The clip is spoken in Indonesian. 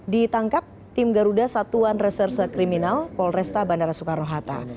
ditangkap tim garuda satuan reserse kriminal polresta bandara soekarno hatta